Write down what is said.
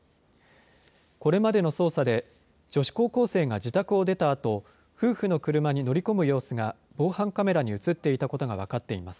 これまでの捜査で、女子高校生が自宅を出たあと、夫婦の車に乗り込む様子が防犯カメラに写っていたことが分かっています。